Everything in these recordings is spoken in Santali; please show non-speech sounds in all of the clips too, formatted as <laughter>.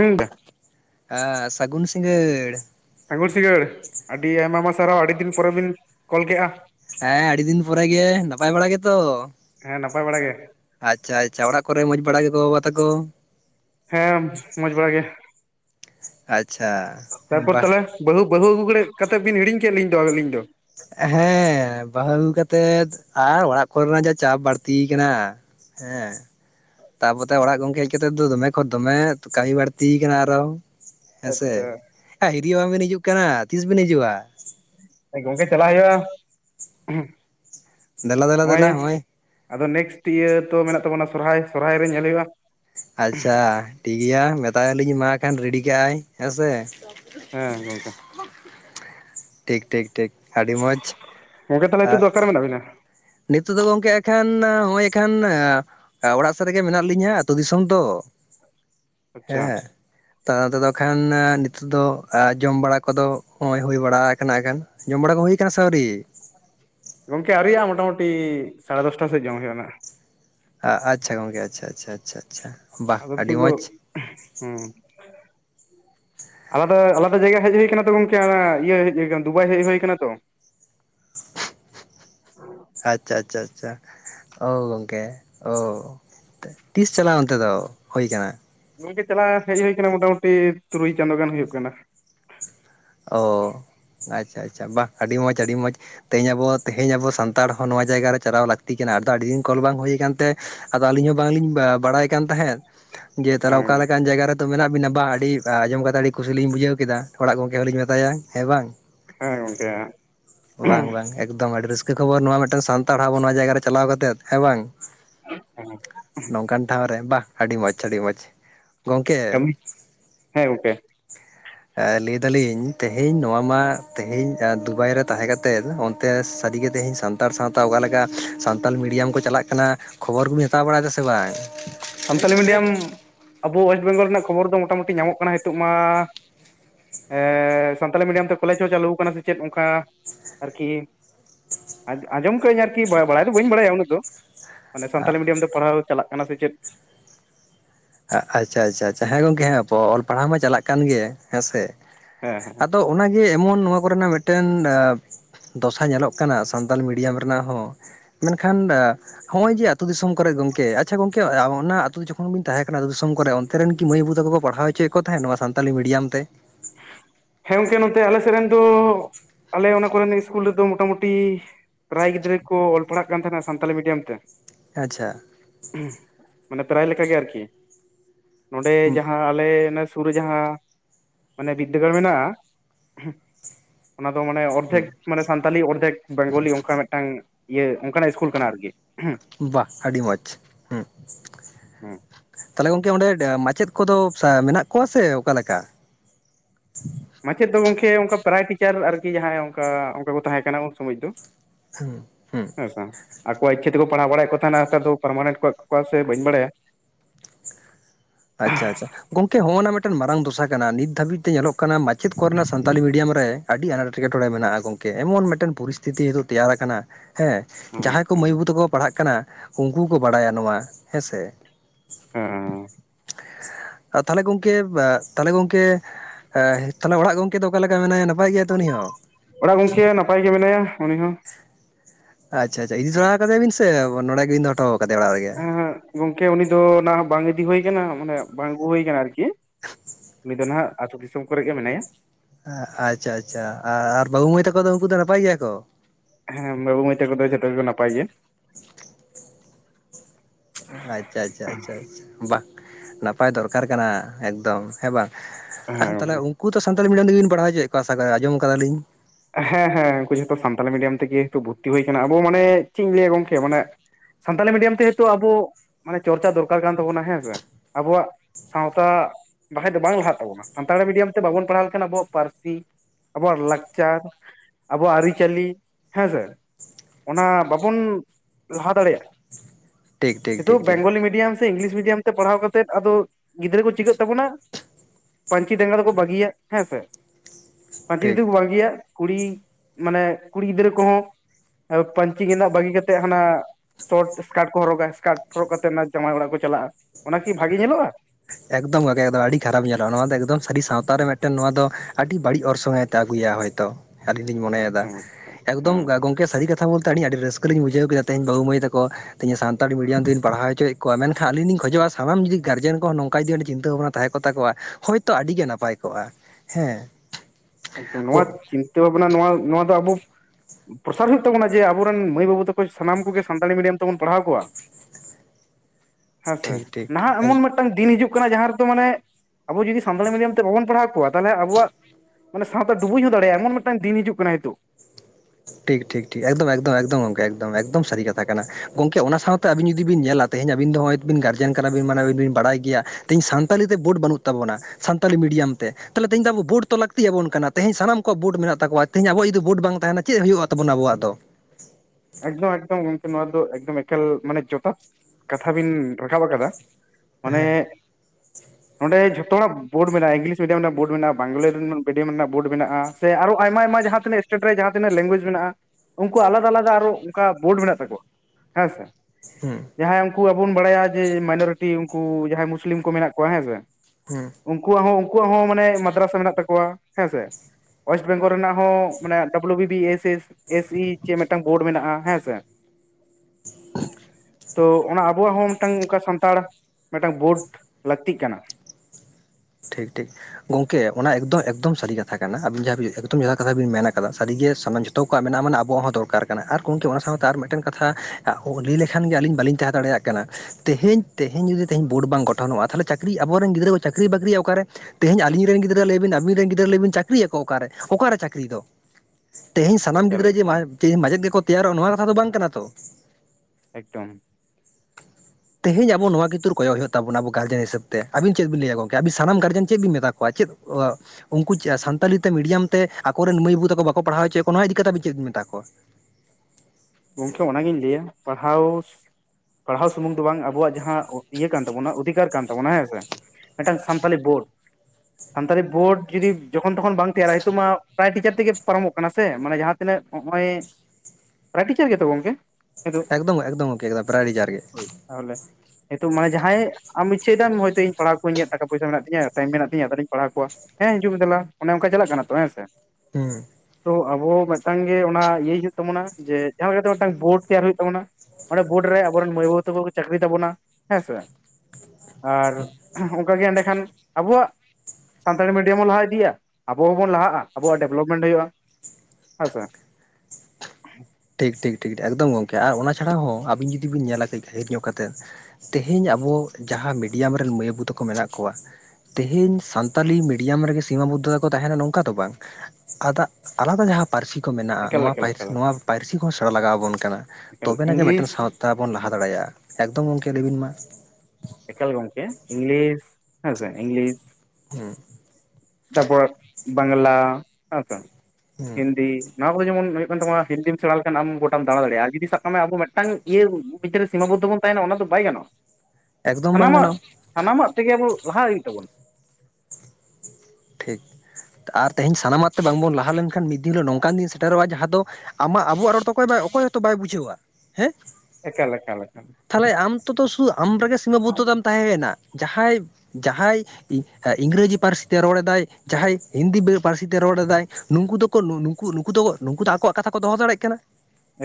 ᱦᱩᱸ ᱾ ᱦᱮ ᱥᱟᱹᱜᱩᱱ ᱥᱤᱸᱜᱟᱹᱲ ᱾ ᱥᱟᱹᱜᱩᱱ ᱥᱤᱸᱜᱟᱹᱲ, ᱟᱹᱰᱤ ᱟᱭᱢᱟ ᱟᱭᱢᱟ ᱥᱟᱨᱦᱟᱣ, ᱟᱹᱰᱤ ᱫᱤᱱ ᱯᱚᱨᱮ ᱵᱤᱱ ᱠᱚᱞ ᱠᱮᱫᱼᱟ? ᱦᱮᱸ ᱟᱹᱰᱤ ᱫᱤᱱ ᱯᱚᱨᱮ ᱜᱮ, ᱱᱟᱯᱟᱭ ᱵᱟᱲᱟ ᱜᱮᱛᱚ? ᱦᱮᱸ ᱱᱟᱯᱟᱭ ᱵᱟᱲᱟ ᱜᱮ᱾ ᱟᱪᱪᱷᱟ ᱟᱪᱪᱷᱟ, ᱚᱲᱟᱜ ᱠᱚᱨᱮ ᱢᱚᱸᱡᱽ ᱵᱟᱲᱟ ᱜᱮᱠᱚ ᱵᱟᱵᱟ ᱛᱟᱠᱚ? ᱦᱮᱸ ᱢᱚᱸᱡᱽ ᱵᱟᱲᱟ ᱜᱮ᱾ ᱟᱪᱪᱷᱟ ᱛᱟᱨᱯᱚᱨ ᱵᱟᱦ ᱛᱟᱦᱚᱞᱮ ᱾ ᱵᱟᱹᱦᱩ, ᱵᱟᱹᱦᱩ ᱟᱹᱜᱩ ᱠᱟᱛᱮᱫ ᱵᱤᱱ ᱦᱤᱲᱤᱧ ᱠᱮᱫ ᱞᱤᱧ ᱫᱚ ᱟᱹᱞᱤᱧ ᱫᱚ ᱾ ᱦᱮᱸ ᱵᱟᱦᱩ ᱟᱜᱩ ᱠᱟᱛᱮᱫ ᱟᱨ ᱚᱲᱟᱜ ᱠᱚᱨᱮᱱᱟᱜ ᱡᱟ ᱪᱟᱯ ᱵᱟᱹᱲᱛᱤᱭ ᱟᱠᱟᱱᱟ ᱾ ᱦᱮᱸ ᱾ ᱛᱟᱯᱚ ᱛᱮ ᱚᱲᱟᱜ ᱜᱚᱝᱠᱮ ᱦᱮᱡ ᱠᱟᱛᱮ ᱫᱚ ᱫᱚᱢᱮ ᱠᱷᱚᱫ ᱫᱚᱢᱮ ᱠᱟᱹᱢᱤ ᱵᱟᱹᱲᱛᱤᱭ ᱟᱠᱟᱱᱟ ᱟᱨᱚ ᱾ ᱦᱮᱸᱥᱮ ᱟᱪᱪᱷᱟ ᱦᱤᱨᱤ ᱦᱚᱸ ᱵᱟᱝ ᱵᱤᱱ ᱦᱤᱡᱩᱜ ᱠᱟᱱᱟ, ᱛᱤᱥ ᱵᱮᱱ ᱦᱤᱡᱩᱜᱼᱟ? ᱜᱚᱢᱠᱮ ᱪᱟᱞᱟᱜ ᱦᱩᱭᱩᱜᱼᱟ ᱾ <inaudible> ᱫᱮᱞᱟ ᱫᱮᱞᱟ ᱫᱮᱞᱟ <unintelligible> ᱟᱫᱚ ᱱᱮᱠᱥᱴ ᱤᱭᱟᱹ ᱛᱚ ᱢᱮᱱᱟᱜ ᱛᱟᱵᱚᱱᱟ ᱥᱚᱨᱦᱟᱭ, ᱥᱚᱨᱦᱟᱭ ᱨᱮ ᱧᱮᱞ ᱦᱩᱭᱩᱜᱼᱟ᱾ ᱟᱪᱪᱷᱟ ᱴᱷᱤᱠ ᱜᱮᱭᱟ ᱢᱮᱛᱟᱭᱟ ᱞᱤᱧ ᱢᱟ ᱠᱷᱟᱱ ᱨᱮᱰᱤ ᱠᱟᱜᱼᱟᱭ, ᱦᱮᱸ ᱥᱮ ᱾ ᱦᱮᱸ ᱜᱚᱝᱠᱮ ᱾ <inaudible> ᱴᱷᱤᱠ ᱴᱷᱤᱠ ᱴᱷᱤᱠ ᱟᱹᱰᱤ ᱢᱚᱡᱽ ᱜᱚᱝᱠᱮ ᱛᱟᱦᱚᱞᱮ ᱾ ᱱᱤᱛᱚᱜ ᱫᱚ ᱚᱠᱟᱨᱮ <inaudible> ᱢᱮᱱᱟᱜ ᱵᱤᱱᱟ ᱱᱤᱛᱚᱜ ᱫᱚ ᱜᱚᱝᱠᱮ ᱮᱠᱷᱟᱱ ᱱᱚᱜᱼᱚᱭ ᱮᱠᱷᱟᱱ ᱟᱨ ᱚᱲᱟᱜ ᱥᱮᱫ ᱨᱮᱜᱮ ᱢᱮᱱᱟᱜ ᱞᱤᱧᱟ ᱟᱹᱛᱩ ᱫᱤᱥᱚᱢ ᱫᱚ᱾ ᱟᱪ <unintelligible> ᱮ ᱦᱮᱸ ᱾ <unintelligible> ᱛᱮᱫᱚ ᱦᱟᱜ ᱮᱠᱷᱟᱱ ᱱᱤᱛᱚᱜ ᱫᱚ ᱡᱚᱢ ᱵᱟᱲᱟ ᱠᱚᱫᱚ ᱱᱚᱜᱼᱚᱭ ᱦᱩᱭ ᱵᱟᱲᱟ ᱟᱠᱟᱱᱟ ᱦᱟᱜ ᱠᱷᱟᱱ ᱾ ᱡᱚᱢ ᱵᱟᱲᱟ ᱠᱚ ᱦᱩᱭ ᱟᱠᱟᱱᱟ ᱥᱮ ᱟᱣᱨᱤ? ᱜᱚᱝᱠᱮ ᱟᱹᱣᱨᱤᱭᱟᱜᱼᱟ ᱢᱚᱴᱟ ᱢᱩᱴᱤ ᱥᱟᱲᱮ ᱫᱚᱥᱴᱟ ᱥᱮᱫ ᱡᱚᱢ ᱦᱩᱭᱩᱜᱼᱟ ᱱᱟᱜ ᱾ ᱟᱪᱪᱷᱟ ᱜᱚᱝᱠᱮ, ᱟᱪᱪᱷᱟ ᱟᱪᱪᱷᱟ ᱟᱪᱪᱷᱟ ᱟᱪᱪᱷᱟ ᱾ ᱟᱫᱚ ᱱᱤᱛᱳᱜ ᱫᱚ, ᱦᱩᱸ ᱾ ᱟᱞᱟᱫᱟ, ᱟᱞᱟᱫᱟ ᱡᱟᱭᱜᱟ ᱦᱮᱡ ᱦᱩᱭ ᱟᱠᱟᱱᱟ ᱛᱚ ᱜᱚᱝᱠᱮ, ᱤᱭᱟᱹ ᱦᱮᱡ ᱦᱩᱭ ᱫᱩᱵᱟᱭ ᱦᱮᱡ ᱦᱩᱭ ᱟᱠᱟᱱᱟ ᱛᱚ ᱾ ᱟᱪᱪᱷᱟ ᱟᱪᱪᱷᱟ ᱟᱪᱪᱷᱟ, ᱚ ᱜᱚᱝᱠᱮ ᱚ ᱾ ᱛᱤᱥ ᱪᱟᱞᱟᱣ ᱚᱱᱛᱮ ᱫᱚ ᱦᱩᱭ ᱟᱠᱟᱱᱟ? ᱜᱚᱝᱠᱮ ᱪᱟᱞᱟᱜ ᱦᱮᱡ ᱦᱩᱭ ᱟᱠᱟᱱᱟ ᱢᱚᱴᱟᱢᱩᱴᱤ ᱛᱩᱨᱩᱭ ᱪᱟᱸᱫᱳ ᱜᱟᱱ ᱦᱩᱭᱩᱜ ᱠᱟᱱᱟ ᱾ ᱚ ᱟᱪᱪᱷᱟ ᱟᱪᱪᱷᱟ ᱵᱟᱦ ᱟᱹᱰᱤ ᱢᱚᱡᱽ ᱟᱹᱰᱤ ᱢᱚᱡᱽ᱾ ᱛᱮᱦᱤᱧ ᱟᱵᱚ, ᱛᱮᱦᱤᱧ ᱟᱵᱚ ᱥᱟᱱᱛᱟᱲ ᱦᱚᱸ ᱱᱚᱣᱟ ᱡᱟᱭᱜᱟ ᱨᱮ ᱪᱟᱞᱟᱣ ᱞᱟᱹᱠᱛᱤ ᱠᱟᱱᱟ ᱟᱫᱚ ᱟᱹᱰᱤ ᱫᱤᱱ ᱠᱚᱞ ᱵᱟᱝ ᱦᱩᱭ ᱟᱠᱟᱱ ᱛᱮ ᱟᱫᱚ ᱟᱹᱞᱤᱧ ᱦᱚᱸ ᱵᱟᱝᱞᱤᱧ ᱵᱟᱲᱟᱭ ᱠᱟᱱ ᱛᱟᱦᱮᱸᱫ ᱾ ᱜᱮ ᱛᱟᱦᱞᱮ ᱦᱮᱸ ᱚᱠᱟ ᱞᱮᱠᱟᱱ ᱡᱟᱭᱜᱟ ᱨᱮᱛᱚ ᱢᱮᱱᱟᱜ ᱵᱤᱱᱟ ᱵᱟ, ᱟᱹᱰᱤ ᱟᱸᱡᱚᱢ ᱠᱟᱛᱮ ᱟᱹᱰᱤ ᱠᱩᱥᱤᱞᱤᱧ ᱵᱩᱡᱟᱹᱣ ᱠᱮᱫᱟ ᱚᱲᱟᱜ ᱠᱚ ᱼᱼ ᱠᱮ ᱞᱤᱧ ᱢᱮᱛᱟᱭᱟ ᱦᱮᱸ ᱵᱟᱝ? ᱦᱮᱸ ᱜᱚᱝᱠᱮ ᱦᱮᱸ ᱵᱟᱝ ᱵᱟᱝ ᱮᱠᱫᱚᱢ ᱟᱹᱰᱤ ᱨᱟᱹᱥᱠᱟᱹ ᱠᱷᱚᱵᱚᱨ ᱱᱚᱣᱟ ᱢᱤᱫᱴᱮᱱ ᱥᱟᱱᱛᱟᱲ ᱟᱵᱚ ᱱᱚᱣᱟ ᱡᱟᱭᱜᱟ ᱨᱮ ᱪᱟᱞᱟᱣ ᱠᱟᱛᱮ ᱦᱮᱸ ᱵᱟᱝ? ᱦᱮᱸ ᱱᱚᱝᱠᱟᱱ ᱴᱷᱟᱶ ᱨᱮ ᱵᱟᱦ ᱟᱹᱰᱤ ᱢᱚᱡᱽ, ᱟᱹᱰᱤ ᱢᱚᱡᱽ ᱾ ᱠᱟᱹᱢᱤ ᱦᱮᱸ ᱜᱚᱢᱠᱮ ᱾ ᱱᱤᱛ ᱟᱞᱤᱧ ᱛᱮᱦᱮᱧ ᱱᱚᱣᱟ ᱢᱟ ᱛᱮᱦᱮᱧ ᱡᱟᱠ ᱫᱩᱵᱟᱭ ᱨᱮ ᱛᱟᱦᱮᱸ ᱠᱟᱛᱮᱫᱼᱼ ᱛᱮ ᱥᱟᱹᱨᱤ ᱜᱮ ᱛᱮᱦᱮᱧ ᱥᱟᱱᱛᱟᱲ ᱥᱟᱶᱛᱟ ᱚᱠᱟᱞᱮᱠᱟ ᱥᱟᱱᱛᱟᱞ ᱢᱤᱰᱤᱭᱟᱢ ᱠᱚ ᱪᱟᱞᱟᱜ ᱠᱟᱱᱟ ᱠᱷᱚᱵᱚᱨ ᱠᱚᱞᱤᱧᱼᱼ ᱦᱟᱛᱟᱣ ᱵᱟᱲᱟᱭᱮᱫᱟ ᱥᱮ ᱵᱟᱝ? ᱥᱟᱱᱛᱟᱞᱤ ᱢᱤᱰᱤᱭᱟᱢ ᱟᱵᱚ ᱳᱭᱮᱥᱴ ᱵᱮᱝᱜᱚᱞ ᱨᱮᱱᱟᱜ ᱠᱷᱚᱵᱚᱨ ᱫᱚ ᱢᱳᱴᱟᱢᱩᱴᱤ ᱧᱟᱢᱚᱜ ᱠᱟᱱᱟ ᱱᱤᱛᱚᱜ ᱢᱟᱼᱼ ᱮᱻ ᱥᱟᱱᱛᱟᱞᱤ ᱢᱤᱰᱤᱭᱟᱢ ᱛᱮ ᱠᱚᱞᱮᱡᱽ ᱦᱚᱸ ᱪᱟᱹᱞᱩ ᱟᱠᱟᱱᱟ ᱥᱮ ᱪᱮᱫ ᱚᱱᱠᱟ ᱟᱨᱠᱤᱼᱼ ᱟᱸᱡᱚᱢ ᱠᱟᱜ ᱟᱹᱧ ᱟᱨᱠᱤ ᱵᱟᱲᱟᱭ ᱫᱚ ᱵᱟᱹᱧ ᱵᱟᱲᱟᱭᱟ ᱩᱱᱟᱜᱲ ᱫᱚ ᱾ ᱢᱟᱱᱮ ᱥᱟᱱᱛᱟᱞᱤ ᱢᱤᱰᱤᱭᱟᱢ ᱛᱮ ᱯᱟᱲᱦᱟᱣ ᱪᱟᱞᱟᱜ ᱠᱟᱱᱟ ᱥᱮ ᱪᱮᱫ? ᱟᱪᱪᱷᱟ ᱟᱪᱪᱷᱟ ᱟᱪᱪᱷᱟ ᱦᱮᱸ ᱜᱚᱝᱠᱮ ᱦᱮᱸ, ᱚᱞ ᱯᱟᱲᱦᱟᱣ ᱢᱟ ᱪᱟᱞᱟᱜ ᱠᱟᱱ ᱜᱮ ᱦᱮᱸ ᱥᱮ ᱦᱮᱸ ᱦᱮᱸ ᱟᱫᱚᱼᱼ ᱚᱱᱟᱜᱮ ᱮᱢᱚᱱ ᱱᱚᱣᱟ ᱠᱚᱨᱮᱱᱟᱜ ᱢᱤᱫᱴᱮᱱᱼᱼ ᱫᱚᱥᱟ ᱧᱮᱞᱚᱜ ᱠᱟᱱᱟ ᱥᱟᱱᱛᱟᱲᱤ ᱢᱤᱰᱤᱭᱟᱢ ᱨᱮᱱᱟᱜ ᱦᱚᱸ ᱾ ᱢᱮᱱᱠᱷᱟᱱ ᱦᱚᱜᱼ ᱚᱭ ᱡᱮ ᱟᱹᱛᱩ ᱫᱤᱥᱚᱢ ᱠᱚᱨᱮ ᱜᱚᱝᱠᱮ ᱟᱪᱪᱷᱟ ᱜᱚᱝᱠᱮ ᱚᱱᱟ ᱟᱹᱛᱩ ᱡᱚᱠᱷᱚᱱ ᱵᱤᱱ ᱛᱟᱦᱮᱸ ᱼᱼ ᱟᱹᱛᱩ ᱫᱤᱥᱚᱢ ᱠᱚᱨᱮ ᱚᱱᱛᱮᱨᱮᱱᱤ ᱢᱟᱹᱭ ᱵᱟᱹ ᱵᱩᱠᱚ ᱯᱟᱲᱦᱟᱣ ᱦᱚᱪᱚᱭᱮᱫ ᱠᱚ ᱛᱟᱦᱮᱸᱫ ᱱᱚᱣᱟ ᱥᱟᱱᱛᱟᱞᱤ ᱢᱤᱰᱤᱭᱟᱢ ᱛᱮ ᱾ ᱦᱮᱸ ᱜᱚᱝᱠᱮ ᱱᱚᱛᱮ ᱟᱞᱮ ᱥᱮᱫ ᱨᱮᱱ ᱫᱚ, ᱟᱞᱮ ᱚᱱᱟ ᱠᱚᱨᱮᱱ ᱤᱥᱠᱩᱞ ᱨᱮᱫᱚ ᱢᱚᱴᱟᱢᱩᱴᱤᱼᱼ ᱯᱨᱟᱭ ᱜᱤᱫᱽᱨᱟᱹ ᱠᱚ ᱚᱞ ᱯᱟᱲᱦᱟᱜ ᱠᱟᱱ ᱛᱟᱦᱮᱸᱱᱟ ᱥᱟᱱᱛᱟᱞᱤ ᱢᱤᱰᱤᱭᱟᱢ ᱛᱮ ᱾ ᱟᱪᱪᱷᱟ ᱾ ᱢᱟᱱᱮ ᱯᱨᱟᱭᱞᱮᱠᱟ ᱜᱮ ᱟᱨᱠᱤ ᱱᱚᱸᱰᱮ ᱡᱟᱦᱟᱸ ᱟᱞᱮ ᱥᱩᱼᱼ ᱥᱩᱨ ᱨᱮ ᱡᱟᱦᱟᱸᱼᱼ ᱢᱟᱱᱮ ᱵᱤᱫᱽᱫᱟᱹᱜᱟᱲ ᱢᱮᱱᱟᱜᱼᱟ, ᱚᱱᱟ ᱫᱚ ᱢᱟᱱᱮ ᱚᱨᱫᱷᱮᱠᱼᱼ ᱢᱟᱱᱮ ᱥᱟᱱᱛᱟᱞᱤ ᱚᱨᱫᱷᱮᱠ ᱵᱮᱝᱜᱚᱞᱤ ᱚᱱᱠᱟ ᱢᱤᱫᱴᱟᱝ ᱤᱭᱟᱹ ᱚᱱᱠᱟᱱᱟᱜ ᱤᱥᱠᱩᱞ ᱠᱟᱱᱟ ᱟᱨᱠᱤ ᱾ ᱵᱟᱥ ᱟᱹᱰᱤ ᱢᱚᱡᱽ ᱦᱮᱸ ᱾ ᱛᱟᱦᱚᱞᱮ ᱜᱚᱝᱠᱮ ᱚᱸᱰᱮ ᱢᱟᱪᱮᱫ ᱠᱚᱫᱚ ᱢᱮᱱᱟᱜ ᱠᱚᱣᱟ ᱥᱮ ᱚᱠᱟ ᱞᱮᱠᱟ? ᱢᱟᱪᱮᱫ ᱫᱚ ᱜᱚᱝᱠᱮ ᱚᱱᱠᱟ ᱯᱨᱟᱭ ᱴᱤᱪᱟᱨ ᱟᱨᱠᱤ ᱡᱟᱦᱟᱸᱭ ᱚᱱᱠᱟ ᱚᱱᱠᱟ ᱠᱚ ᱛᱟᱦᱮᱸ ᱠᱟᱱᱟ ᱩᱱ ᱥᱚᱢᱚᱭ ᱫᱚ ᱾ ᱟᱪᱪᱷᱟ ᱦᱮᱸ ᱾ ᱦᱮᱸᱥᱮ ᱟᱠᱚᱣᱟᱜ ᱤᱪᱪᱷᱟ ᱛᱮᱠᱚ ᱯᱟᱲᱦᱟᱣ ᱵᱟᱭᱮᱫ ᱠᱚ ᱛᱟᱦᱮᱱᱟ ᱱᱮᱛᱟᱨ ᱫᱚ ᱯᱟᱨᱢᱟᱱᱮᱱᱴ ᱠᱚ ᱮᱫ ᱠᱚᱣᱟ ᱥᱮ ᱵᱟᱹᱧ ᱵᱟᱲᱟᱭᱟ ᱾ ᱟᱪᱪᱷᱟ ᱟᱶᱪᱷᱟ ᱾ ᱜᱚᱝᱠᱮ ᱦᱚᱜᱼ ᱱᱟ ᱢᱤᱫᱴᱮᱱ ᱢᱟᱨᱟᱝ ᱫᱚᱥᱟ ᱠᱟᱱᱟ, ᱱᱤᱛ ᱫᱷᱟᱹᱵᱤᱡ ᱛᱮ ᱧᱮᱞᱚᱜ ᱠᱟᱱᱟ ᱢᱟᱪᱮᱫ ᱠᱚᱨᱮᱱᱟᱜ ᱥᱟᱱᱛᱟᱞᱤ ᱢᱤᱰᱤᱭᱟᱢ ᱨᱮᱼᱼ ᱟᱹᱰᱤ ᱟᱱᱟᱴᱠ ᱮᱴᱠᱚᱴᱚᱬᱮ ᱢᱮᱱᱟᱜᱼᱟ ᱜᱚᱢᱠᱮ, ᱮᱢᱚᱱ ᱢᱤᱫᱴᱮᱱ ᱯᱚᱨᱤᱥᱛᱤᱛᱤ ᱱᱤᱛᱚᱜ ᱛᱮᱭᱟᱨ ᱟᱠᱟᱱᱟ ᱦᱮᱸ ᱾ ᱦᱮᱸ ᱡᱟᱦᱟᱸᱭ ᱠᱚ ᱦᱮᱸ ᱢᱟᱹᱭ ᱵᱟᱹᱵᱩ ᱛᱟᱠᱚ ᱠᱚ ᱯᱟᱲᱦᱟᱜ ᱠᱟᱱᱟ ᱩᱱᱠᱩ ᱦᱚᱸᱠᱚ ᱵᱟᱲᱟᱭᱟ ᱱᱚᱣᱟ ᱦᱮᱸ ᱥᱮ ᱾ ᱦᱩᱸ ᱚᱸ ᱛᱟᱦᱚᱞᱮ ᱜᱚᱝᱠᱮ ᱛᱟᱦᱞᱮ ᱜᱚᱝᱠᱮ ᱛᱟᱦᱮ ᱚᱲᱟᱜ ᱫᱚ? ᱛᱚ ᱚᱠᱟ ᱞᱮᱠᱟ ᱢᱮᱱᱟᱭᱟ ᱱᱟᱯᱟᱭ ᱜᱮᱭᱟᱭ ᱛᱚ ᱩᱱᱤ ᱦᱚᱸ? ᱚᱲᱟᱜ ᱜᱚᱢᱠᱮ ᱱᱟᱯᱟᱭ ᱜᱮ ᱢᱮᱱᱟᱭᱟ ᱩᱱᱤ ᱦᱚᱸ ᱾ ᱟᱪᱪᱷᱟ ᱟᱪᱪᱷᱟ, ᱤᱫᱤ ᱛᱚᱨᱟ ᱠᱟᱫᱮᱵᱤᱱ ᱥᱮ ᱱᱚᱰᱮ ᱜᱮᱵᱮᱱ ᱫᱚᱦᱚ ᱦᱚᱴᱚ ᱟᱠᱟᱫᱮ ᱚᱲᱟᱜ ᱨᱮ? ᱦᱮᱸ ᱜᱚᱝᱠᱮ ᱩᱱᱤ ᱫᱚ ᱚᱱᱟ ᱵᱟᱝ ᱤᱫᱤ ᱦᱩᱭ ᱟᱠᱟᱱᱟ ᱢᱟᱱᱮ ᱵᱟᱝ ᱟᱜᱩ ᱦᱩᱭ ᱟᱠᱟᱱᱟ ᱟᱨᱠᱤ ᱾ ᱩᱱᱤ ᱫᱚ ᱱᱟᱜ ᱟᱹᱛᱩ ᱫᱤᱥᱚᱢ ᱠᱚᱨᱮ ᱜᱮ ᱢᱮᱱᱟᱭᱟ ᱾ ᱦᱚᱸ ᱟᱪᱪᱷᱟ ᱟᱪᱪᱷᱟ, ᱟᱨ ᱵᱟᱹᱦᱩ ᱢᱟᱹᱭ ᱛᱟᱠᱚ ᱫᱚ ᱩᱱᱠᱩ ᱫᱚ ᱱᱟᱯᱟᱭ ᱜᱮᱭᱟ ᱠᱚ? ᱦᱮᱸ ᱵᱟᱹᱵᱩ ᱢᱟᱹᱭ ᱛᱟᱠᱩ ᱠᱚᱫᱚ ᱡᱚᱛᱚ ᱜᱮ ᱱᱟᱯᱟᱭ ᱜᱮᱭᱟ ᱾ ᱟᱪᱪᱷᱟ ᱟᱪᱪᱷᱟ ᱟᱪᱷᱟᱷᱟ ᱵᱟᱝ ᱱᱟᱯᱟᱭ ᱫᱚᱨᱠᱟᱨ ᱠᱟᱱᱟ ᱮᱠᱫᱚᱢ ᱦᱮᱸ ᱵᱟᱝ ᱦᱮᱸ ᱾ ᱜᱚᱝᱠᱮ ᱛᱟᱦᱚᱞᱮ ᱩᱱᱠᱩ ᱫᱚ ᱥᱟᱱᱛᱟᱲᱤ ᱢᱤᱰᱤᱭᱟᱢ ᱛᱮᱜᱮᱵᱤᱱ ᱯᱟᱲᱦᱟᱣ ᱦᱚᱪᱚᱭᱮᱫ ᱠᱚᱣᱟ ᱥᱮ ᱟᱸᱡᱚᱢ ᱠᱟᱫᱟᱞᱤᱧ? ᱦᱮᱸ ᱦᱮᱸ ᱩᱱᱠᱩ ᱡᱚᱛᱚ ᱥᱟᱱᱛᱟᱞᱤ ᱢᱤᱰᱤᱭᱟᱢ ᱛᱮᱜᱮ ᱛᱚ ᱵᱷᱩᱨᱛᱤ ᱦᱩᱭ ᱟᱠᱟᱱᱟ ᱟᱵᱚ ᱢᱟᱱᱮ ᱪᱮᱫ ᱤᱧ ᱞᱟᱹᱭᱟ ᱜᱚᱝᱠᱮ ᱢᱟᱱᱮ ᱥᱟᱱᱛᱟᱞᱤ ᱢᱤᱰᱤᱭᱟᱢ ᱛᱮ ᱟᱵᱚ ᱢᱟᱱᱮ ᱪᱚᱨᱪᱟ ᱫᱚᱨᱠᱟᱨ ᱠᱟᱱ ᱛᱟᱵᱚᱱᱟ ᱦᱮᱸᱥᱮ ᱟᱵᱚᱣᱟᱜ ᱥᱟᱶᱛᱟ ᱵᱟᱠᱷᱟᱡ ᱫᱚ ᱵᱟᱝ ᱞᱟᱦᱟᱜ ᱛᱟᱵᱚᱱᱟ᱾ ᱥᱟᱱᱛᱟᱲᱤ ᱢᱤᱰᱤᱭᱟᱢ ᱛᱮ ᱵᱟᱵᱚᱱ ᱯᱟᱲᱦᱟᱣ ᱞᱮᱱᱠᱷᱟᱱ ᱟᱵᱚᱣᱟᱜ ᱯᱟᱹᱨᱥᱤ ᱟᱵᱚᱣᱟᱜ ᱞᱟᱠᱪᱟᱨ ᱟᱵᱚᱣᱟᱜ ᱟᱹᱨᱤᱪᱟᱹᱞᱤ ᱦᱮᱸ ᱥᱮ᱾ ᱚᱱᱟ ᱵᱟᱵᱚᱱ ᱞᱟᱦᱟ ᱫᱟᱲᱮᱭᱟᱜ ᱴᱷᱤᱠ ᱴᱷᱤᱠ ᱱᱤᱛᱚᱜ ᱴᱷᱤᱠ ᱴᱷᱤᱠ ᱵᱮᱝᱜᱚᱞᱤ ᱢᱤᱰᱤᱭᱟᱢ ᱤᱝᱜᱞᱤᱥ ᱢᱤᱰᱤᱭᱟᱢ ᱛᱮ ᱯᱟᱲᱦᱟᱣ ᱠᱟᱛᱮᱫ ᱟᱫᱚ ᱜᱤᱫᱽᱨᱟᱹ ᱠᱚ ᱪᱤᱠᱟᱹᱜ ᱛᱟᱵᱚᱱᱟ ᱯᱟᱹᱧᱪᱤ ᱰᱮᱸᱜᱟ ᱫᱚᱠᱚ ᱵᱟᱹᱜᱤᱭᱟ ᱦᱮᱸᱥᱮ ᱯᱟᱹᱧᱪᱤ ᱴᱷᱤᱠ ᱫᱷᱤ ᱠᱚ ᱵᱟᱹᱜ ᱠᱩᱲᱤ ᱢᱟᱱᱮ ᱠᱩᱲᱤ ᱜᱤᱫᱽᱨᱟᱹ ᱠᱚᱦᱚᱸ ᱯᱟᱹᱧᱪᱤ ᱜᱮᱸᱫᱟᱜ ᱵᱟᱹᱜᱤ ᱠᱟᱛᱮᱜ ᱦᱟᱱᱟ ᱥᱚᱴ ᱥᱠᱟᱴ ᱠᱚ ᱦᱚᱨᱚᱜᱟ ᱥᱠᱟᱴ ᱦᱚᱨᱚᱜ ᱠᱟᱛᱮ ᱚᱱᱟ ᱡᱟᱢᱟᱭ ᱚᱲᱟᱜ ᱠᱚ ᱪᱟᱞᱟᱜᱼᱟ ᱚᱱᱟᱠᱤ ᱵᱷᱟᱜᱮ ᱧᱮᱞᱚᱜᱼᱟ? ᱮᱠᱫᱚᱢ ᱜᱚᱝᱠᱮ ᱮᱠᱚᱢ ᱟᱹᱰᱤ ᱠᱷᱟᱨᱟᱯ ᱧᱮᱞᱚᱜᱼᱟ ᱱᱚᱣᱟ ᱫᱚ ᱮᱠᱫᱚᱢ ᱥᱟᱹᱨᱤ ᱥᱟᱶᱛᱟ ᱨᱮ ᱢᱤᱫᱴᱮᱱ ᱱᱚᱣᱟ ᱫᱚ ᱟᱹᱰᱤ ᱵᱟᱹᱲᱤᱡ ᱚᱨᱥᱚᱝ ᱟᱹᱜᱩᱭᱟ ᱦᱚᱭ ᱛᱚ ᱟᱞᱤᱧ ᱞᱤᱧ ᱢᱚᱱᱮᱭ ᱫᱟ᱾ ᱮᱠᱫᱚᱢ ᱮᱠᱫᱚᱢ ᱦᱮᱸ ᱥᱟᱹᱨᱤ ᱠᱟᱛᱷᱟ ᱵᱚᱞᱛᱮ ᱟᱹᱰᱤ ᱟᱹᱰᱤ ᱨᱟᱹᱥᱠᱟᱹ ᱞᱤᱧ ᱵᱩᱡᱟᱹᱣ ᱠᱮᱫᱟ ᱛᱮᱦᱮᱧ ᱵᱟᱹᱵᱩ ᱢᱟᱹᱭ ᱛᱮᱠᱚ ᱥᱟᱱᱛᱟᱲᱤ ᱢᱤᱰᱤᱭᱟᱢ ᱛᱮᱵᱤᱱ ᱯᱟᱲᱦᱟᱣ ᱚᱪᱚᱭᱮᱫ ᱠᱚᱣᱟ ᱢᱮᱱᱠᱷᱟᱱ ᱟᱹᱞᱤᱧ ᱞᱤᱧ ᱠᱷᱚᱡᱚᱜᱼᱟ ᱥᱟᱱᱟᱢ ᱡᱩᱫᱤ ᱜᱟᱨᱡᱮᱱ ᱱᱚᱝᱠᱟ ᱡᱩᱫᱤ ᱪᱤᱱᱛᱟᱹ ᱵᱷᱟᱵᱱᱟ ᱛᱟᱦᱮᱸ ᱠᱚᱜ ᱛᱟᱠᱚᱣᱟ ᱦᱚᱭ ᱛᱚ ᱟᱹᱰᱤ ᱜᱮ ᱱᱟᱯᱟᱭ ᱠᱚᱜᱼᱟ ᱦᱮᱸ᱾ ᱮᱠᱫᱚᱢ ᱱᱚᱣᱟ ᱪᱤᱱᱛᱟᱹ ᱵᱷᱟᱵᱽᱱᱟ ᱱᱚᱣᱟ ᱱᱚᱣᱟ ᱫᱚ ᱟᱵᱚ ᱯᱨᱚᱥᱟᱨ ᱦᱩᱭᱩᱜ ᱛᱟᱵᱚᱱᱟ ᱡᱮ ᱟᱵᱚᱨᱮᱱ ᱢᱟᱹᱭ ᱵᱟᱹᱵᱩ ᱛᱮᱠᱚ ᱥᱟᱱᱟᱢ ᱠᱚᱜᱮ ᱥᱟᱱᱛᱟᱲᱤ ᱢᱤᱰᱤᱭᱟᱢ ᱛᱮᱵᱚᱱ ᱯᱟᱲᱦᱟᱣ ᱠᱚᱣᱟ᱾ ᱦᱮᱸ ᱥᱮ ᱴᱷᱤᱠ ᱴᱷᱤᱠ ᱱᱟᱦᱟᱜ ᱮᱢᱚᱱ ᱴᱷᱤᱠ ᱴᱟᱝ ᱫᱤᱱ ᱦᱤᱡᱩᱜ ᱠᱟᱱᱟ ᱡᱟᱦᱟᱸ ᱨᱮᱫᱚ ᱢᱟᱱᱮ ᱟᱵᱚ ᱡᱩᱫᱤ ᱥᱟᱱᱛᱟᱲᱤ ᱢᱤᱰᱤᱭᱟᱢ ᱛᱮ ᱵᱟᱵᱚᱱ ᱯᱟᱲᱦᱟᱣ ᱠᱚᱣᱟ ᱛᱟᱦᱚᱞᱮ ᱟᱵᱚᱣᱟᱜ ᱢᱟᱱᱮ ᱥᱟᱶᱛᱟ ᱰᱩᱵᱩᱡ ᱦᱚᱸ ᱫᱟᱲᱮᱭᱟᱜᱼᱟ ᱮᱢᱚᱱ ᱢᱤᱫᱴᱟᱝ ᱫᱤᱱ ᱦᱤᱡᱩᱜ ᱠᱟᱱᱟ ᱱᱤᱛᱚᱜ᱾ ᱴᱷᱤᱠ ᱴᱷᱤᱠ ᱴᱷᱤᱠ ᱮᱠᱫᱚᱢ ᱮᱠᱫᱚᱢ ᱮᱠᱫᱚᱢ ᱜᱚᱢᱠᱮ ᱮᱠᱫᱚᱢ ᱮᱠᱫᱚᱢ ᱥᱟᱹᱨᱤ ᱠᱟᱛᱷᱟ ᱠᱟᱱᱟ ᱜᱚᱝᱠᱮ ᱚᱱᱟ ᱥᱟᱶᱛᱮ ᱟᱵᱤᱱ ᱡᱩᱫᱤ ᱵᱤᱱ ᱧᱮᱞᱟ ᱛᱮᱦᱮᱧ ᱟᱵᱤᱱ ᱫᱚ ᱦᱚᱸᱜᱼᱚᱭ ᱵᱤᱱ ᱜᱟᱨᱡᱮᱱ ᱠᱟᱱᱟᱵᱤᱱ ᱢᱟᱱᱮ ᱵᱤᱱ ᱵᱟᱰᱟᱭ ᱜᱮᱭᱟ ᱛᱮᱦᱤᱧ ᱥᱟᱱᱛᱟᱞᱤ ᱛᱮ ᱵᱚᱰ ᱵᱟᱹᱱᱩᱜ ᱛᱟᱵᱚᱱᱟ᱾ ᱥᱟᱱᱛᱟᱞᱤ ᱢᱤᱰᱤᱭᱟᱢ ᱛᱮ᱾ ᱛᱟᱦᱚᱞᱮ ᱛᱮᱦᱮᱧ ᱫᱚ ᱟᱵᱚ ᱵᱚᱰ ᱛᱚ ᱞᱟᱹᱠᱛᱤ ᱟᱵᱚᱱ ᱠᱟᱱᱟ ᱛᱮᱦᱮᱧ ᱥᱟᱱᱟᱢ ᱠᱚ ᱵᱚᱰ ᱢᱮᱱᱟᱜ ᱛᱟᱠᱚᱣᱟ ᱛᱮᱦᱮᱧ ᱟᱵᱚᱣᱟᱜ ᱡᱩᱫᱤ ᱵᱚᱰ ᱵᱟᱝ ᱛᱟᱸᱦᱮᱱᱟ ᱪᱮᱫ ᱦᱩᱭᱩᱜᱼᱟ ᱛᱟᱵᱚᱱᱟ ᱟᱵᱚᱣᱟᱜ ᱫᱚ? ᱮᱠᱫᱚᱢ ᱮᱠᱫᱚᱢ ᱜᱚᱢᱠᱮ ᱱᱚᱣᱟ ᱫᱚ ᱮᱠᱫᱚᱢ ᱮᱠᱟᱞ ᱢᱟᱱᱮ ᱡᱚᱛᱷᱟ ᱠᱟᱛᱷᱟ ᱵᱤᱱ ᱨᱟᱠᱟᱵ ᱠᱟᱫᱟ ᱢᱟᱱᱮ <inaudible> ᱱᱚᱰᱮ ᱡᱷᱚᱛᱚ ᱦᱚᱲᱟᱜ ᱵᱚᱰ ᱢᱮᱱᱟᱜᱼᱟ ᱤᱝᱞᱤᱥ ᱢᱤᱰᱤᱭᱟᱢ ᱨᱮᱱᱟᱜ ᱵᱚᱰ ᱢᱮᱱᱟᱜᱼᱟ ᱵᱟᱝᱞᱟ ᱨᱤᱱ ᱢᱤᱰᱤᱭᱟᱢ ᱨᱮᱱᱟᱜ ᱵᱚᱰ ᱢᱮᱱᱟᱜᱼᱟ᱾ ᱥᱮ ᱟᱨᱦᱚᱸ ᱟᱭᱢᱟ ᱟᱭᱢᱟ ᱡᱟᱦᱟᱸ ᱛᱤᱱᱟᱹᱜ ᱮᱥᱴᱮᱴ ᱨᱮ ᱡᱟᱦᱟᱸ ᱛᱤᱱᱟᱹᱜ ᱞᱮᱝᱜᱩᱭᱮᱡᱽ ᱢᱮᱱᱟᱜᱼᱟ ᱩᱱᱠᱩ ᱟᱞᱟᱫᱟ ᱟᱞᱟᱫᱟ ᱚᱱᱠᱟ ᱵᱚᱰ ᱢᱮᱱᱟᱜ ᱛᱟᱠᱚᱣᱟ ᱦᱮᱸ ᱥᱮ᱾ ᱦᱩᱸ᱾ ᱡᱟᱦᱟᱸᱭ ᱩᱱᱠᱩ ᱟᱵᱚ ᱵᱚᱱ ᱵᱟᱰᱟᱭᱟ ᱡᱮ ᱢᱟᱭᱱᱚᱨᱚᱴᱤ ᱩᱱᱠᱩ ᱡᱟᱦᱟᱸᱭ ᱢᱩᱥᱞᱤᱢ ᱠᱚ ᱢᱮᱱᱟᱜ ᱠᱚᱣᱟ ᱦᱮᱸ ᱥᱮ᱾ ᱦᱩᱸ᱾ ᱩᱱᱠᱩᱣᱟᱜ ᱦᱚᱸ ᱩᱱᱠᱩᱣᱟᱜ ᱦᱚᱸ ᱢᱟᱱᱮ ᱢᱟᱫᱽᱨᱟᱥᱟ ᱨᱮ ᱢᱮᱱᱟᱜ ᱛᱟᱠᱚᱣᱟ ᱦᱮᱸ ᱥᱮ᱾ ᱳᱭᱮᱥᱴ ᱵᱮᱝᱜᱚᱞ ᱨᱮᱱᱟᱜ ᱦᱚᱸ ᱢᱟᱱᱮ W B B S S S E ᱪᱮ ᱢᱤᱫᱴᱟᱝ ᱵᱚᱰ ᱢᱮᱱᱟᱜᱼᱟ ᱦᱮᱸ ᱥᱮ ᱛᱚ ᱚᱱᱟ ᱟᱵᱚᱣᱟᱜ ᱦᱚᱸ ᱢᱤᱫᱴᱟᱝ ᱚᱱᱠᱟ ᱥᱟᱱᱛᱟᱲ ᱢᱤᱫᱴᱟᱝ ᱵᱚᱰ ᱞᱟᱹᱠᱛᱤᱜ ᱠᱟᱱᱟ᱾ ᱴᱷᱤᱠ ᱴᱷᱤᱠ᱾ ᱜᱚᱝᱠᱮ ᱚᱱᱟ ᱮᱠᱫᱚᱢ ᱮᱠᱫᱚᱢ ᱥᱟᱹᱨᱤ ᱠᱟᱛᱷᱟ ᱠᱟᱱᱟ ᱟᱵᱤᱱ ᱡᱟᱦᱟᱸ ᱮᱠᱫᱚᱢ ᱡᱚᱛᱷᱟ ᱠᱟᱛᱷᱟ ᱵᱤᱱ ᱢᱮᱱ ᱠᱟᱫᱟ ᱥᱟᱹᱨᱤ ᱜᱮ ᱥᱟᱱᱟᱢ ᱡᱚ ᱛᱚ ᱠᱚᱣᱟᱜ ᱢᱮᱱᱟᱜᱼᱟ ᱢᱟᱱᱮ ᱟᱵᱚᱣᱟᱜ ᱦᱚᱸ ᱫᱚᱨᱠᱟᱨ ᱠᱟᱱᱟ ᱟᱨ ᱜᱚᱢᱠᱮ ᱚᱱᱟ ᱥᱟᱶᱛᱮ ᱟᱨ ᱢᱤᱫᱴᱮᱱ ᱠᱟᱛᱷᱟ ᱞᱟᱹᱭ ᱞᱮᱠᱷᱟᱱ ᱜᱮ ᱟᱹᱞᱤᱧ ᱵᱟᱹᱞᱤᱧ ᱛᱟᱦᱮᱸ ᱫᱟᱲᱮᱭᱟᱜ ᱠᱟᱱᱟ ᱛᱮᱦᱮᱧ ᱛᱮᱦᱮᱧ ᱡᱩᱫᱤ ᱛᱮᱦᱮᱧ ᱵᱚᱰ ᱵᱟᱝ ᱜᱚᱴᱷᱚᱱᱚᱜᱼᱟ ᱛᱟᱦᱚᱞᱮ ᱪᱟᱹᱠᱨᱤ ᱟᱵᱚᱨᱮᱱ ᱜᱤᱫᱽᱨᱟᱹ ᱠᱚ ᱪᱟᱹᱠᱨᱤ ᱵᱟᱹᱠᱨᱤ ᱚᱠᱟᱨᱮ ᱛᱮᱦᱮᱧ ᱟᱹᱞᱤᱧ ᱨᱮᱱ ᱜᱤᱫᱽᱨᱟᱹ ᱞᱟᱹᱭ ᱵᱤᱱ ᱟᱵᱤᱱ ᱨᱮᱱ ᱜᱤᱫᱽᱨᱟᱹ ᱞᱟᱹᱭ ᱵᱤᱱ ᱪᱟᱹᱠᱨᱤᱭᱟᱠᱚ ᱚᱠᱟᱨᱮ ᱚᱠᱟᱨᱮ ᱪᱟᱹᱠᱨᱤ ᱫᱚ᱾ ᱛᱮᱦᱮᱧ ᱥᱟᱱᱟᱢ ᱮᱠᱟᱞ ᱜᱤᱫᱽᱨᱟᱹ ᱡᱮ ᱢᱟ ᱮᱠᱟᱞ ᱛᱮᱦᱤᱧ ᱢᱟᱪᱮᱫ ᱜᱮᱠᱚ ᱛᱮᱭᱟᱨᱚᱜᱼᱟ ᱱᱚᱣᱟ ᱠᱟᱛᱷᱟ ᱫᱚ ᱵᱟᱝ ᱠᱟᱱᱟ ᱛᱚ᱾ ᱮᱠᱫᱚᱢ᱾ ᱛᱮᱦᱮᱧ ᱟᱵᱚ ᱱᱚᱣᱟ ᱠᱤᱛᱩᱨ ᱠᱚᱭᱚᱜ ᱦᱩᱭᱩᱜ ᱛᱟᱵᱚᱱᱟ ᱛᱮᱦᱮᱧ ᱟᱵᱚ ᱱᱚᱣᱟ ᱠᱷᱟᱹᱛᱤᱨ ᱠᱚᱭᱚᱜ ᱦᱚᱭᱚᱜ ᱛᱟᱵᱚᱱᱟ ᱟᱵᱚ ᱜᱟᱨᱡᱮᱱ ᱦᱤᱥᱟᱹᱵ ᱛᱮ ᱟᱵᱤᱱ ᱪᱮᱫ ᱵᱤᱱ ᱞᱟᱹᱭᱟ ᱜᱚᱝᱠᱮ ᱟᱵᱤᱱ ᱥᱟᱱᱟᱢ ᱜᱟᱨᱡᱮᱱ ᱪᱮᱫ ᱵᱤᱱ ᱢᱮᱛᱟ ᱠᱚᱣᱟ ᱪᱮᱫ ᱠᱚᱣᱟ ᱾ ᱩᱱᱠᱩ ᱪᱮ ᱥᱟᱱᱛᱟᱞᱤ ᱛᱮ, ᱢᱤᱰᱤᱭᱟᱢ ᱛᱮ, ᱟᱠᱚ ᱨᱮᱱ ᱢᱟᱹᱭ ᱵᱟᱹᱵᱩ ᱛᱟᱠᱚ, ᱵᱟᱠᱚ ᱯᱟᱲᱦᱟᱣ ᱚᱪᱚᱭᱮᱫ ᱚᱱᱟ, ᱤᱫᱤ ᱠᱟᱛᱮ, ᱟᱵᱤᱱ ᱪᱮᱫ ᱵᱤᱱ ᱢᱮᱛᱟ ᱠᱚᱣᱟ? ᱜᱚᱝᱠᱮ, ᱚᱱᱟ ᱜᱤᱧ ᱞᱟᱹᱭᱟ, ᱯᱟᱲᱦᱟᱣ ᱯᱟᱲᱦᱟᱣ ᱥᱩᱢᱩᱝ ᱫᱚ, ᱵᱟᱝ ᱾ ᱟᱵᱚᱣᱟᱜ ᱡᱟᱦᱟᱸ, ᱤᱭᱟᱹ ᱠᱟᱱ ᱛᱟᱵᱚᱱᱟ, ᱚᱫᱷᱤᱠᱟᱨ ᱠᱟᱱ ᱛᱟᱵᱚᱱᱟ ᱾ ᱦᱮᱸ ᱥᱮ ᱢᱤᱫᱴᱟᱝ ᱥᱟᱱᱛᱟᱞᱤ ᱵᱳᱨᱰ ᱥᱟᱱᱛᱟᱲᱤ ᱵᱳᱨᱰ, ᱡᱩᱫᱤ ᱡᱚᱠᱷᱚᱱ ᱛᱚᱠᱷᱚᱱ ᱵᱟᱝ, ᱛᱮᱭᱟᱨᱟ, ᱦᱤᱛᱚᱝ ᱢᱟ ᱯᱨᱟᱭ ᱴᱤᱪᱟᱨ ᱛᱮᱜᱮ, ᱯᱟᱨᱚᱢᱚᱜ ᱠᱟᱱᱟ ᱥᱮ, ᱢᱟᱱᱮ ᱡᱟᱦᱟᱸ ᱛᱤᱱᱟ. ᱜ, ᱦᱚᱸᱜᱼᱚᱭ ᱯᱟᱨᱟ ᱴᱤᱪᱟᱨ ᱜᱮᱛᱚ, ᱜᱚᱝᱠᱮ! ᱱᱤᱛᱚᱜ ᱮᱠᱫᱚᱢ, ᱮᱠᱫᱚᱢ ᱜᱚᱝᱠᱮ, ᱯᱨᱟ ᱴᱤᱪᱟᱨ ᱜᱮ ᱾ ᱦᱳᱭ ᱛᱟᱦᱚᱞᱮ, ᱱᱤᱛᱚᱜ ᱢᱟᱱᱮ, ᱡᱟᱦᱟᱸᱭ ᱟᱢ, ᱤᱪᱪᱷᱟᱹᱭ ᱮᱫᱟᱢ, ᱦᱚᱭ ᱛᱚ, ᱤᱧ ᱯᱟᱲᱦᱟᱣ ᱠᱩᱟᱹᱧ, ᱤᱧᱟᱜ ᱴᱟᱠᱟ ᱯᱩᱭᱥᱟᱹ ᱢᱮᱱᱟᱜ ᱛᱤᱧᱟ, ᱴᱟᱭᱤᱢ ᱢᱮᱱᱟᱜ ᱛᱤᱧᱟ, ᱛᱟᱦᱚᱞᱤᱧ, ᱯᱟᱲᱦᱟᱣ ᱠᱚᱣᱟ ᱾ ᱦᱮᱸ, ᱦᱤᱡᱩᱜ ᱢᱮ ᱫᱮᱞᱟ ᱾ ᱚᱱᱮ, ᱚᱱᱠᱟ ᱪᱟᱞᱟᱜ ᱠᱟᱱᱟ ᱛᱚ, ᱦᱮᱸ ᱥᱮ ᱾ ᱦᱩᱸᱻ ᱾ ᱛᱚ ᱟᱵᱚ, ᱢᱤᱫᱴᱟᱝ ᱜᱮ, ᱚᱱᱟ ᱤᱭᱟᱹ ᱦᱩᱭᱩᱜ ᱛᱟᱵᱚᱱᱟ ᱾ ᱡᱮ, ᱡᱟᱦᱟᱸ ᱞᱮᱠᱟ ᱛᱮ, ᱢᱤᱫᱴᱟᱝ ᱵᱳᱨᱰ ᱛᱮᱭᱟᱨ ᱦᱩᱭᱩᱜ ᱛᱟᱵᱚᱱᱟ ᱾ ᱚᱸᱰᱮ, ᱵᱳᱨᱰ ᱨᱮ, ᱟᱵᱚᱨᱮᱱ ᱢᱟᱹᱭ ᱵᱟᱹᱵᱩ ᱛᱟᱠᱚ ᱠᱚ, ᱪᱟᱹᱠᱨᱤ ᱛᱟᱵᱚᱱᱟ, ᱦᱮᱸ ᱥᱮ ᱾ ᱟᱨ, ᱠᱷ-ᱟᱸᱻᱦ ᱚᱱᱠᱟ ᱜᱮ, ᱮᱸᱰᱮ ᱠᱷᱟᱱ ᱟᱵᱚᱣᱟᱜ ᱥᱟᱱᱛᱟᱲᱤ ᱢᱤᱰᱤᱭᱟᱢ ᱦᱚᱸ ᱞᱟᱦᱟ ᱤᱫᱤᱭᱟ ᱾ ᱟᱵᱚ ᱦᱚᱸ, ᱵᱚᱱ ᱞᱟᱦᱟᱜᱼᱟ ᱾ ᱟᱵᱚᱣᱟᱜ, ᱰᱮᱵᱷᱞᱚᱯᱢᱮᱱᱴ ᱦᱩᱭᱩᱜᱼᱟ, ᱦᱮᱸᱥᱮ ᱾ ᱠᱷ-ᱮᱸ-ᱥ ᱾ ᱴᱷᱤᱠ, ᱴᱷᱤᱠ ᱴᱷᱤᱠ, ᱮᱠᱫᱚᱢ ᱜᱚᱝᱠᱮ, ᱟᱨ ᱚᱱᱟ, ᱪᱷᱟᱲᱟ ᱦᱚᱸ, ᱟᱵᱤᱱ ᱡᱩᱫᱤ ᱵᱤᱱ, ᱧᱮᱞᱟ ᱠᱟᱹᱡ ᱜᱟᱹᱦᱤᱨ ᱧᱚᱜ, ᱠᱟᱛᱮᱫ ᱛᱮᱦᱤᱧ ᱟᱵᱚ, ᱡᱟᱦᱟᱸ, ᱢᱤᱰᱤᱭᱟᱢ ᱨᱮᱱ ᱢᱟᱹᱭ ᱵᱟᱹᱵᱩ ᱛᱟᱠᱚ, ᱢᱮᱱᱟᱜ ᱠᱚᱣᱟ ᱛᱮᱦᱮᱧ, ᱥᱟᱱᱛᱟᱞᱤ ᱢᱤᱰᱤᱭᱟᱢ ᱨᱮᱜᱮ, ᱥᱤᱢᱟ ᱵᱚᱫᱽᱫᱷᱚᱛᱟ ᱠᱚ, ᱛᱟᱦᱮᱸᱱᱟ ᱾ ᱱᱚᱝᱠᱟ ᱫᱚ ᱵᱟᱝ? ᱦᱟᱜ ᱟᱫᱟᱜ, ᱟᱞᱟᱫᱟ ᱡᱟᱦᱟᱸ ᱯᱟᱨᱥᱤ ᱠᱚ, ᱢᱮᱱᱟᱜᱼᱟ ᱾ ᱮᱠᱟᱞ ᱱᱚᱣᱟ ᱮᱠᱟᱞ ᱯᱟ. ᱨᱥᱤ, ᱮᱠᱟᱞ ᱱᱚᱣᱟ ᱯᱟᱹᱨᱥᱤ ᱠᱚᱦᱚᱸ, ᱥᱮᱬᱟ ᱞᱟᱜᱟᱣ ᱟᱵᱚᱱ ᱠᱟᱱᱟ ᱾ ᱮᱠᱟᱞ ᱛᱚᱵᱮ, ᱮᱱᱟᱝ ᱜᱮ, ᱤᱝᱞᱤᱥ ᱢᱤᱫᱟᱝ ᱥᱟᱶ ᱯᱟᱱᱛᱷᱟ ᱵᱚᱱ, ᱞᱟᱦᱟ ᱫᱟᱲᱮᱭᱟᱜᱼᱟ ᱾ ᱮᱠᱫᱚᱢ ᱜᱚᱢᱠᱮ, ᱞᱟᱹᱭ ᱵᱤᱱ ᱢᱟ ᱾ ᱮᱠᱟᱞ ᱜᱚᱢᱠᱮ, ᱤᱝᱞᱤᱥ, ᱦᱮᱸ ᱥᱮ, ᱤᱝᱞᱤᱥ ᱾ ᱦᱩᱸᱻ ᱾ ᱴᱟᱵᱚᱫ ᱵᱟᱝᱞᱟ, ᱦᱮᱸ ᱥᱮ, ᱦᱩᱸ ᱦᱤᱱᱫᱤ ᱾ ᱱᱚᱣᱟ ᱠᱚ, ᱡᱮᱢᱚᱱ, ᱱᱩᱭ ᱠᱟᱱ ᱛᱟᱢᱟ, ᱦᱤᱱᱫᱤᱢ ᱥᱮᱬᱟ ᱞᱮᱠᱷᱟᱱ, ᱟᱢ ᱜᱚᱴᱟᱢ ᱫᱟᱬᱟ ᱫᱟᱲᱮᱭᱟᱜᱼᱟ ᱾ ᱡᱩᱫᱤ, ᱥᱟᱵ ᱠᱟᱜ ᱢᱮ, ᱟᱵᱚ ᱢᱤᱫᱴᱟᱝ ᱤᱭᱟᱹ ᱵᱷᱤᱛᱨᱟᱹ ᱥᱤᱢᱟ ᱵᱚᱫᱫᱷᱚ ᱵᱚᱱ ᱛᱟᱦᱮᱸᱱᱟ ᱾ ᱚᱱᱟ ᱫᱚ, ᱵᱟᱭ ᱜᱟᱱᱚᱜᱼᱟ ᱾ ᱮᱠᱫᱚᱢ ᱵᱟᱝ ᱥᱟᱱᱟᱢᱟᱜ, ᱜᱟᱱᱚᱜᱼᱟ ᱥᱟᱱᱟᱢᱟᱜ ᱛᱮᱜᱮ, ᱟᱵᱩ ᱞᱟᱦᱟ ᱦᱩᱭᱩᱜ ᱛᱟᱵᱚᱱᱟ ᱾ ᱴᱷᱤᱠ, ᱟᱨ ᱛᱮᱦᱮᱧ ᱥᱟᱱᱟᱢ ᱟᱜ ᱛᱮ, ᱵᱟᱝᱵᱚᱱ ᱞᱟᱦᱟ ᱞᱮᱱᱠᱷᱟᱱ, ᱢᱤᱫ ᱫᱤᱱ ᱦᱤᱞᱳᱜ ᱱᱚᱝᱠᱟᱱ ᱫᱤᱱ ᱥᱮᱴᱮᱨᱚᱜᱼᱟ, ᱡᱟᱦᱟᱸ ᱫᱚ ᱟᱢᱟᱜ, ᱟᱵᱚᱣᱟᱜ ᱨᱚᱲ ᱛᱚ, ᱚᱠᱚᱭ ᱵᱟᱭ, ᱚᱠᱚᱭ ᱦᱚᱸᱛᱚ, ᱵᱟᱭ ᱵᱩᱡᱷᱟᱹᱣᱟ ᱾ ᱦᱮᱸ ᱾ ᱮᱠᱟᱞ, ᱮᱠᱟᱞ ᱮᱠᱟᱞ ᱾ ᱛᱟᱦᱞᱮ, ᱟᱢ ᱛᱚᱛᱚ, ᱥᱩᱫᱩ ᱟᱢ ᱨᱮᱜᱮ, ᱥᱤᱢᱟ ᱵᱚᱫᱫᱷᱚ ᱛᱟᱢ ᱛᱟᱦᱮᱸᱭᱮᱱᱟ, ᱡᱟᱦᱟᱸᱭ, ᱡᱟᱦᱟᱸᱭ ᱤᱝᱨᱮᱡᱤ ᱯᱟᱹᱨᱥᱤ ᱛᱮ, ᱨᱚᱲ ᱮᱫᱟᱭ ᱡᱟᱦᱟᱸᱭ, ᱦᱤᱱᱫᱤ ᱯᱟᱹᱨᱥᱤ ᱛᱮ, ᱨᱚᱲ ᱮᱫᱟᱭ, ᱱᱩᱠᱩ ᱫᱚ ᱱᱩᱠᱩ, ᱱᱩᱠᱩ ᱫᱚ, ᱱᱩᱠᱩ ᱫᱚ ᱟᱠᱚᱣᱟᱜ ᱠᱟᱛᱷᱟ ᱠᱚ, ᱫᱚᱦᱚ ᱫᱟᱲᱮᱭᱟᱜ ᱠᱟᱱᱟ ᱾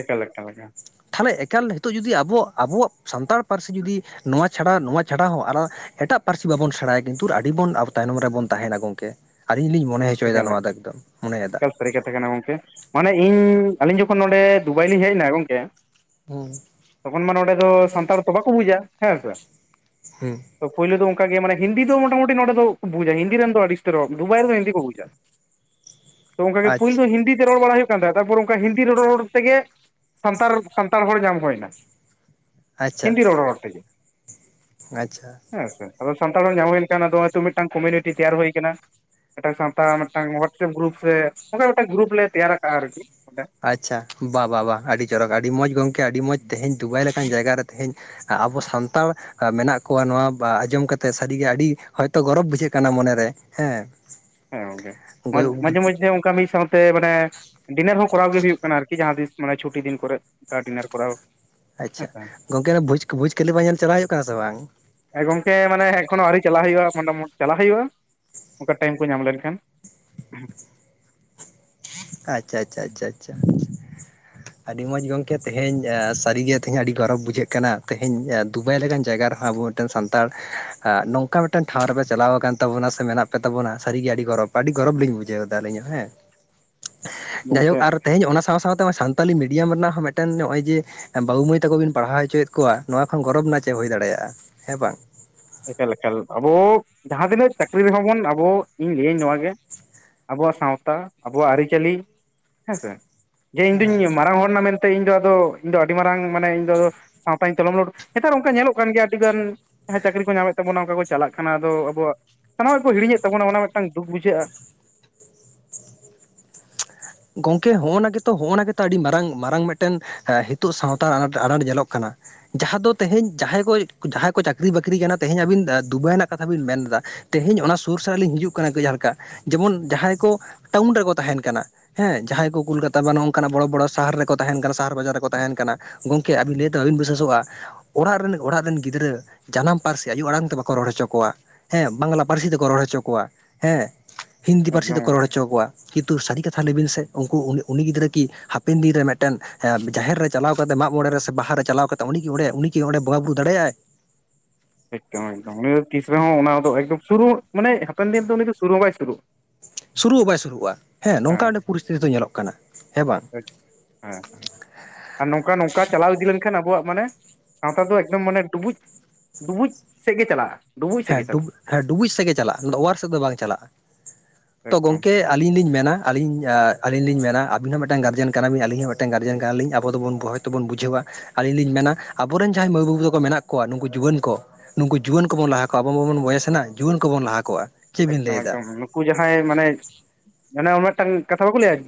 ᱮᱠᱟᱞ, ᱮᱠᱟᱞ ᱮᱠᱟᱞ ᱾ ᱛᱷᱟᱞᱮ, ᱮᱠᱟᱞ ᱦᱤᱛᱚᱜ ᱡᱩᱫᱤ ᱟᱵᱚᱣᱟᱜ ᱟᱵᱚᱣᱟᱜ ᱥᱟᱱᱛᱟᱲ ᱯᱟᱹᱨᱥᱤ ᱡᱩᱫᱤ, ᱱᱚᱣᱟ ᱪᱷᱟᱰᱟ, ᱱᱚᱣᱟ ᱪᱷᱟᱰᱟ ᱦᱚᱸ, ᱟᱨᱦᱚᱸ ᱮᱴᱟᱜ ᱯᱟᱨᱥᱤ ᱵᱟᱵᱚᱱ ᱥᱮᱬᱟᱭᱟ, ᱠᱤᱱᱛᱩ, ᱟᱹᱰᱤ ᱵᱚᱱ, ᱟᱵᱚ ᱛᱟᱭᱱᱚᱢ ᱨᱮᱵᱚᱱ ᱛᱟᱦᱮᱱᱟ ᱾ ᱜᱚᱝᱠᱮ ᱾ ᱟᱹᱞᱤᱧ ᱞᱤᱧ ᱢᱚᱱᱮ ᱦᱚᱪᱚ ᱭᱮᱫᱟ, ᱮᱠᱟᱞ ᱱᱚᱣᱟ ᱫᱚ, ᱮᱠᱫᱚᱢ, ᱹ ᱢᱚᱱᱮ ᱭᱮᱫᱟ ᱾ ᱮᱠᱟᱞ ᱥᱟᱹᱨᱤ ᱠᱟᱛᱷᱟ ᱠᱟᱱᱟ ᱜᱚᱢᱠᱮ, ᱢᱟᱱᱮ ᱤᱧ, ᱟᱹᱞᱤᱧ ᱡᱚᱠᱷᱚᱱ ᱱᱚᱰᱮ, ᱫᱩᱵᱟᱭ ᱞᱤᱧ ᱦᱮᱡ ᱮᱱᱟ, ᱜᱚᱢᱠᱮ ᱾ ᱦᱩᱸ‌᱾ ᱛᱚᱠᱷᱚᱱ ᱢᱟ, ᱱᱚᱸᱰᱮ ᱫᱚ, ᱥᱟᱱᱛᱟᱲ ᱛᱚ, ᱵᱟᱠᱚ ᱵᱩᱡᱟ, ᱦᱮᱸ ᱥᱮ ᱾ ᱦᱩᱸᱻ ᱾ ᱛᱚ ᱯᱳᱭᱞᱳ ᱫᱚ ᱚᱝᱠᱟ ᱜᱮ ᱢᱟᱱᱮ ᱦᱤᱱᱫᱤ ᱫᱚ ᱢᱚᱴᱟ ᱢᱩᱴᱤ ᱱᱚᱰᱮ ᱫᱚ ᱠᱚ ᱵᱩᱡᱟ, ᱦᱤᱱᱫᱤ ᱨᱮᱱ ᱫᱚ ᱟᱹᱰᱤ ᱩᱥᱛᱟᱹᱨ ᱨᱚ ᱫᱩᱵᱟᱭ ᱨᱮᱫᱚ ᱦᱤᱱᱫᱤ ᱠᱚ ᱵᱩᱡ <inaudible> ᱾ ᱛᱚ ᱚᱝᱠᱟᱜᱮ ᱯᱳᱭᱞᱳ ᱟᱪᱪᱷᱟ ᱫᱚ ᱦᱤᱱᱫᱤ ᱛᱮ ᱨᱚᱲ ᱵᱟᱲᱟᱭ ᱦᱩᱭᱩᱜ ᱠᱟᱱ ᱛᱟᱦᱮᱸᱜ ᱛᱟᱨᱯᱚᱨ ᱚᱝᱠᱟ ᱦᱤᱱᱫᱤ ᱨᱚᱲ ᱨᱚᱲ ᱛᱮᱜᱮ, ᱥᱟᱱᱛᱟᱲ ᱥᱟᱱᱛᱟᱲ ᱦᱚᱲ ᱧᱟᱢ ᱦᱩᱭᱱᱟ᱾ ᱟᱪᱪᱷᱟ ᱦᱤᱱᱫᱤ ᱨᱚᱲ ᱨᱚᱲ ᱛᱮᱜᱮ᱾ ᱟᱪᱪᱷᱟ᱾ ᱦᱮᱸ ᱥᱮ, ᱟᱫᱚ ᱥᱟᱱᱛᱟᱲ ᱦᱚᱲ ᱧᱟᱢ ᱦᱳᱭᱮᱱ ᱠᱷᱟᱱ ᱟᱫᱚ ᱦᱚᱭᱛᱚ ᱢᱤᱫᱴᱟᱝ ᱠᱚᱢᱤᱭᱩᱱᱤᱴᱤ ᱛᱮᱭᱟᱨ ᱦᱳᱭ ᱠᱟᱱᱟ᱾ ᱢᱤᱫᱴᱟᱝ ᱥᱟᱶ ᱛᱟ ᱢᱤᱫᱴᱟᱝ ᱦᱚᱣᱟᱴᱥᱮᱯ ᱜᱨᱩᱯ ᱥᱮ ᱚᱝᱠᱟ ᱢᱤᱫᱴᱟᱝ ᱜᱨᱩᱯ ᱞᱮ ᱛᱮᱭᱟᱨ ᱟᱠᱟᱜᱼᱟ ᱟᱨᱠᱤ, ᱟᱪᱪᱷᱟ ᱵᱟ ᱵᱟ ᱵᱟ ᱟᱹᱰᱤ ᱪᱚᱨᱚᱠ ᱟᱹᱰᱤ ᱢᱚᱸᱡᱽ ᱜᱚᱝᱠᱮ ᱟᱹᱰᱤ ᱢᱚᱸᱡᱽ, ᱛᱮᱦᱮᱧ ᱫᱩᱵᱟᱭ ᱞᱮᱠᱟᱱ ᱡᱟᱭᱜᱟ ᱨᱮ ᱛᱮᱦᱮᱧ ᱟᱵᱚ ᱥᱟᱱᱛᱟᱲ <inaudible> ᱢᱮᱱᱟᱜ ᱠᱚᱣᱟ ᱱᱚᱣᱟ ᱵᱟ ᱟᱸᱡᱚᱢ ᱠᱟᱛᱮᱜ ᱥᱟᱹᱨᱤᱜᱮ ᱟᱰᱤ, ᱦᱚᱭᱛᱳ ᱜᱚᱨᱚᱵᱽ ᱵᱩᱡᱷᱟᱹᱜ ᱠᱟᱱᱟ ᱢᱚᱱᱮᱨᱮ᱾ ᱦᱮᱸ᱾ ᱦᱮᱸ ᱜᱚᱝᱠᱮ, ᱢᱟᱡ ᱜᱚᱭ ᱢᱟᱡᱷᱮ ᱢᱚᱫᱽᱷᱮ ᱚᱝᱠᱟ ᱢᱤᱫ ᱥᱟᱶᱛᱮ ᱢᱟᱱᱮ ᱰᱤᱱᱟᱨ ᱦᱚᱸ ᱠᱚᱨᱟᱣ ᱜᱮ ᱦᱩᱭᱩᱜ ᱠᱟᱱᱟ ᱟᱨᱠᱤ ᱡᱟᱦᱟᱸ ᱛᱤᱥ ᱢᱟᱱᱮ ᱪᱷᱩᱴᱤ ᱫᱤᱱ ᱠᱚᱨᱮ, ᱚᱝᱠᱟ ᱰᱤᱱᱟᱨ ᱠᱚᱨᱟᱣ᱾ ᱟᱪᱪᱷᱟ, ᱦᱮᱸᱥᱮ ᱜᱚᱝᱠᱮ ᱟᱫᱚ ᱵᱷᱩᱡᱽ ᱵᱷᱩᱡᱽᱠᱟᱞᱤᱯᱷᱟ ᱧᱮᱞ ᱪᱟᱞᱟᱣ ᱦᱩᱭᱩᱜ ᱠᱟᱱᱟ ᱥᱮ ᱵᱟᱝ? ᱦᱮᱸ ᱜᱚᱝᱠᱮ ᱢᱟᱱᱮ ᱮᱠᱷᱚᱱᱳ ᱟᱹᱣᱨᱤ ᱪᱟᱞᱟᱣ ᱦᱩᱭᱩᱜᱼᱟ ᱢᱚᱴᱟ ᱢᱳᱴ ᱪᱟᱞᱟᱜ ᱦᱩᱭᱩᱜᱼᱟ, ᱚᱝᱠᱟ ᱴᱟᱭᱤᱢ ᱠᱚ ᱧᱟᱢ ᱞᱮᱱᱠᱷᱟᱱ᱾ ᱟᱪᱪᱷᱟ ᱟᱪᱪᱷᱟ ᱟᱪᱪᱷᱟ ᱟᱪᱪᱷᱟ᱾ ᱟᱰᱤ ᱢᱚᱡᱽ ᱜᱚᱝᱠᱮ ᱛᱮᱦᱮᱧ ᱥᱟᱨᱤ ᱜᱮ ᱛᱮᱦᱮᱧ ᱟᱰᱤ ᱜᱚᱨᱚᱵᱽ ᱵᱩᱡᱷᱟᱹᱜ ᱠᱟᱱᱟ, ᱛᱮᱦᱮᱧ ᱫᱩᱵᱟᱭ ᱞᱮᱠᱟᱱ ᱡᱟᱭᱜᱟ ᱨᱮᱦᱚᱸ <unintelligible> ᱛᱮ ᱫᱚ ᱥᱟᱱᱛᱟᱲ, ᱟᱸ ᱱᱚᱝᱠᱟ ᱢᱤᱫᱴᱮᱱ ᱴᱷᱟᱶ ᱨᱮᱯᱮ ᱪᱟᱞᱟᱣ ᱟᱠᱟᱱ ᱛᱟᱵᱚᱱᱟ ᱥᱮ ᱢᱮᱱᱟᱜ ᱯᱮ ᱛᱟᱵᱚᱱᱟ ᱥᱟᱨᱤ ᱜᱮ ᱟᱹᱰᱤ ᱜᱚᱨᱚᱵᱽ ᱟᱹᱰᱤ ᱜᱚᱨᱚᱵᱽ ᱞᱤᱧ ᱵᱩᱡᱟᱹᱣᱫᱟ ᱟᱹᱞᱤᱧ ᱦᱚᱸ ᱦᱮᱸ᱾ ᱡᱟᱭᱦᱳᱠ ᱜᱚᱝᱠᱮ ᱟᱨ ᱛᱮᱦᱮᱧ ᱚᱱᱟ ᱥᱟᱶ ᱥᱟᱶᱛᱮ ᱚᱱᱟ ᱥᱟᱱᱛᱟᱞᱤ ᱢᱤᱰᱤᱭᱟᱢ ᱨᱮᱱᱟᱜ ᱦᱚᱸ ᱢᱤᱫᱴᱮᱱ ᱱᱚᱜᱼᱚᱭ ᱡᱮ ᱵᱟᱹᱵᱩ ᱢᱟᱹᱭ ᱛᱟᱠᱚ ᱵᱤᱱ ᱯᱟᱲᱦᱟᱣ ᱦᱚᱪᱚᱭᱮᱫ ᱠᱚᱣᱟ ᱱᱚᱣᱟ ᱠᱷᱚᱱ ᱜᱚᱨᱚᱵᱽ ᱱᱟᱜ ᱪᱮᱜ ᱦᱩᱭ ᱫᱟᱲᱮᱭᱟᱜᱼᱟ, ᱦᱮᱸ ᱵᱟᱝ ᱾ ᱮᱠᱟᱞ ᱮᱠᱟᱞ, ᱟᱵᱚ ᱡᱟᱦᱟᱸ ᱛᱤᱱᱟᱹᱜ ᱪᱟᱹᱠᱨᱤ ᱨᱮᱦᱚᱸ ᱵᱚᱱ ᱟᱵᱚ ᱤᱧ ᱞᱟᱹᱭᱟᱹᱧ ᱱᱚᱣᱟ ᱜᱮ ᱟᱵᱚᱣᱟᱜ ᱥᱟᱶᱛᱟ, ᱟᱵᱚᱣᱟᱜ ᱟᱹᱨᱤᱪᱟᱹᱞᱤ ᱦᱮᱸᱥᱮ, ᱡᱮ ᱤᱧᱫᱩᱧ ᱢᱟᱨᱟᱝ ᱦᱚᱲᱱᱟ ᱢᱮᱱ ᱛᱮ ᱤᱧᱫᱚ ᱟᱫᱚ, ᱤᱧ ᱫᱚ ᱟᱹᱰᱤ ᱢᱟᱨᱟᱝ ᱢᱟᱱᱮ ᱤᱧ ᱫᱚ ᱟᱫᱚ ᱥᱟᱶᱛᱟᱧ ᱛᱚᱞᱚᱢ ᱞᱚᱴᱚᱢ, ᱱᱮᱛᱟᱨ ᱚᱝᱠᱟ ᱧᱮᱞᱚᱜ ᱠᱟᱱ ᱜᱮᱭᱟ ᱟᱹᱰᱤ ᱜᱟᱱ ᱪᱟᱹᱠᱨᱤ ᱠᱚ ᱧᱟᱢᱮᱫ ᱛᱟᱵᱚᱱᱟ ᱚᱝᱠᱟ ᱠᱚ ᱪᱟᱞᱟᱜ ᱠᱟᱱᱟ ᱟᱫᱚ ᱟᱵᱚᱣᱟᱜ, ᱥᱟᱱᱟᱢᱟᱜ ᱠᱚ ᱦᱤᱲᱤᱧ ᱛᱟᱵᱚᱱᱟ ᱚᱱᱟ ᱢᱤᱫᱴᱟᱝ ᱫᱩᱠ ᱵᱩᱡᱷᱟᱹᱜᱼᱟ ᱾ ᱜᱚᱝᱠᱮ ᱦᱚᱸᱜᱼᱚᱱᱟ ᱜᱮᱛᱚ ᱦᱚᱸᱜᱼᱚᱱᱟ ᱜᱮᱛᱚ ᱟᱹᱰᱤ ᱢᱟᱨᱟᱝ ᱢᱟᱨᱟᱝ ᱢᱤᱫᱴᱮᱱ ᱦᱮᱸ ᱦᱤᱛᱚᱜ ᱥᱟᱶᱛᱟ ᱟᱱᱟᱴ ᱟᱱᱟᱴ ᱧᱮᱞᱚᱜ ᱠᱟᱱᱟ ᱾ ᱡᱟᱦᱟᱸ ᱫᱚ ᱛᱮᱦᱮᱧ ᱡᱟᱦᱟᱸᱭ ᱠᱚ ᱡᱟᱦᱟᱸᱭ ᱠᱚ ᱪᱟᱠᱨᱤ ᱵᱟᱠᱨᱤ ᱠᱟᱱᱟ ᱛᱮᱦᱤᱧ ᱟᱵᱤᱱ ᱮᱸ ᱫᱩᱵᱟᱭ ᱨᱮᱱᱟᱜ ᱠᱟᱛᱷᱟ ᱵᱤᱱ ᱢᱮᱱᱫᱟ, ᱛᱮᱦᱮᱧ ᱚᱱᱟ ᱥᱩᱨ ᱥᱟᱨ ᱞᱤᱧ ᱦᱤᱡᱩᱜ ᱠᱟᱱᱟ ᱠᱟᱹᱡ ᱦᱟᱞᱠᱟ ᱡᱮᱢᱚᱱ ᱡᱟᱦᱟᱸᱭ ᱠᱚ ᱴᱟᱣᱩᱱ ᱨᱮᱠᱚ ᱛᱟᱦᱮᱸᱱ ᱠᱟᱱᱟ ᱦᱮᱸ, ᱡᱟᱦᱟᱸᱭ ᱠᱚ ᱠᱳᱞᱠᱟᱛᱟ ᱵᱟ ᱱᱚᱜ-ᱚ ᱱᱚᱝᱠᱟ ᱱᱟᱜ ᱵᱚᱲᱚ ᱵᱚᱲᱚ ᱥᱟᱦᱟᱨ ᱨᱮᱠᱚ ᱛᱟᱦᱮᱸᱱ ᱠᱟᱱᱟ ᱥᱟᱦᱟᱨ ᱵᱟᱡᱟᱨ ᱨᱮᱠᱚ ᱛᱟᱦᱮᱸᱱ ᱠᱟᱱᱟ ᱾ ᱜᱚᱝᱠᱮ ᱟᱵᱤᱱ ᱞᱟᱹᱭ ᱛᱮ ᱵᱟᱵᱤᱱ ᱵᱟᱵᱮᱱ ᱵᱤᱥᱟᱹᱥᱚᱜᱼᱟ, ᱚᱲᱟᱜ ᱨᱮᱱ ᱚᱲᱟᱜ ᱨᱮᱱ ᱜᱤᱫᱽᱨᱟᱹ ᱡᱟᱱᱟᱢ ᱯᱟᱹᱨᱥᱤ ᱟᱭᱚ ᱟᱲᱟᱝ ᱛᱮ ᱵᱟᱠᱚ ᱨᱚᱲ ᱦᱚᱪᱚ ᱠᱚᱣᱟ ᱾ ᱦᱮᱸ ᱵᱟᱝᱞᱟ ᱯᱟᱨᱥᱤ ᱛᱮᱠᱚ ᱨᱚᱲ ᱦᱚᱪᱚ ᱠᱚᱣᱟ ᱦᱮᱸ ᱾ ᱦᱤᱱᱫᱤ ᱯᱟᱨᱥᱤ ᱛᱮᱠᱚ ᱮᱠᱫᱚᱢ ᱨᱚᱲ ᱦᱚᱪᱚ ᱟᱠᱚᱣᱟ, ᱠᱤᱱᱛᱩ ᱥᱟᱨᱤ ᱠᱟ <unintelligible> ᱞᱟᱹᱭ ᱵᱤᱱ ᱥᱮ ᱩᱱᱠᱩ ᱩᱱᱤ ᱩᱱᱤ ᱜᱤᱫᱽᱨᱟᱹ ᱠᱤ ᱦᱟᱯᱮᱱ ᱫᱤᱱ ᱨᱮ ᱢᱤᱫᱴᱮᱱ ᱦᱮᱸ ᱡᱟᱦᱮᱨ ᱨᱮ ᱪᱟᱞᱟᱣ ᱠᱟᱛᱮᱜ ᱢᱟᱜ ᱢᱚᱬᱮ ᱨᱮ ᱥᱮ ᱵᱟᱦᱟ ᱨᱮ ᱪᱟᱞᱟᱣ ᱠᱟᱛᱮ ᱩᱱᱤ ᱠᱤ ᱚᱸᱰᱮ ᱩᱱᱤ ᱠᱤ ᱚᱸᱰᱮ ᱵᱚᱸᱜᱟ ᱵᱩᱨᱩ ᱫᱟᱲᱮᱭᱟᱜᱼᱟᱭ ᱾ ᱮᱠᱫᱚᱢ ᱮᱠᱫᱚᱢ, ᱩᱱᱤ ᱫᱚ ᱛᱤᱥ ᱨᱮᱦᱚᱸ ᱚᱱᱟ ᱫᱚ ᱮᱠᱫᱚᱢ ᱥᱩᱨᱩ ᱢᱟᱱᱮ ᱦᱟᱯᱮᱱ ᱫᱤᱱ ᱫᱚ ᱩᱱᱤ ᱫᱚ ᱥᱩᱨᱩ ᱦᱚᱸ ᱵᱟᱭ ᱥᱩᱨᱩᱜ ᱾ ᱥᱩᱨᱩᱜ ᱦᱚᱸ ᱵᱟᱭ ᱥᱩᱨᱩᱜᱼᱟ, ᱦᱮᱸ ᱱᱚᱝᱠᱟ ᱚᱸᱰᱮ ᱯᱚᱨᱤᱥᱛᱤᱛᱤ ᱫᱚ ᱧᱮᱞᱚᱜ ᱠᱟᱱᱟ ᱾ ᱦᱮᱸ ᱵᱟᱝ? <inaudible> ᱦᱮᱸ ᱦᱮᱸ᱾ ᱟᱨ ᱱᱚᱝᱠᱟ ᱱᱚᱝᱠᱟ ᱪᱟᱞᱟᱣ ᱤᱫᱤ ᱞᱮᱱᱠᱷᱟᱱ ᱟᱵᱚᱣᱟᱜ ᱢᱟᱱᱮ, ᱥᱟᱶᱛᱟ ᱫᱚ ᱮᱠᱫᱚᱢ ᱢᱟᱱᱮ ᱰᱩᱵᱩᱡ ᱰᱩᱵᱩᱡ ᱥᱮᱫ ᱜᱮ ᱪᱟᱞᱟᱜᱼᱟ ᱾ ᱦᱮᱸ ᱰᱩ ᱦᱮᱸ ᱰᱩᱵᱩᱡ ᱥᱮᱜ ᱜᱮ ᱪᱟᱞᱟᱜᱼᱟ ᱚᱱᱟ ᱫᱚ ᱚᱣᱟᱨ ᱥᱮᱫ ᱫᱚ ᱵᱟᱝ ᱪᱟᱞᱟᱜᱼᱟ᱾ ᱛᱚ ᱮᱠᱫᱚᱢ ᱜᱚᱝᱠᱮ ᱟᱹᱞᱤᱧ ᱞᱤᱧ ᱢᱮᱱᱟ ᱟᱹᱞᱤᱧ, ᱮᱸ ᱟᱹᱞᱤᱧ ᱞᱤᱧ ᱢᱮᱱᱟ ᱟᱵᱤᱱ ᱦᱚᱸ ᱢᱤᱫᱴᱟᱝ ᱜᱟᱨᱡᱮᱱ ᱠᱟᱱᱟ ᱵᱤᱱ ᱟᱞᱤᱧ ᱦᱚᱸ ᱢᱤᱫᱴᱟᱝ ᱜᱟᱨᱡᱮᱱ ᱠᱟᱱᱟ ᱞᱤᱧ ᱟᱵᱚ ᱫᱚᱵᱚᱱ <inaudible> ᱛᱚ ᱵᱚᱱ ᱵᱩᱡᱷᱟᱹᱣᱟ, ᱟᱹᱞᱤᱧ ᱞᱤᱧ ᱢᱮᱱᱟ ᱟᱵᱚ ᱨᱮᱱ ᱡᱟᱦᱟᱸᱭ ᱢᱟᱹᱭ ᱵᱟᱹᱵᱩ ᱛᱟᱠᱚ ᱢᱮᱱᱟᱜ ᱠᱚᱣᱟ ᱱᱩᱠᱩ ᱡᱩᱣᱟᱹᱱ ᱠᱚ, ᱱᱩᱠᱩ ᱡᱩᱣᱟᱹᱱ ᱠᱚᱵᱚᱱ ᱞᱟᱦᱟ ᱠᱚᱣᱟ, ᱟᱵᱚ ᱢᱟᱵᱚᱱ ᱵᱚᱭᱮᱥᱱᱟ ᱡᱩᱣᱟᱹᱱ ᱠᱚᱵᱚᱱ ᱞᱟᱦᱟ ᱠᱚᱣᱟ ᱾ ᱮᱠᱫᱚᱢ ᱮᱠᱫᱚᱢ, ᱱᱩᱠᱩ ᱡᱟᱦᱟᱸᱭ ᱢᱟᱱᱮ <unintelligible> ᱢᱮᱜ ᱴᱟᱝ ᱠᱟᱛᱷᱟ ᱵᱟᱠᱚ ᱞᱟᱹᱭᱟ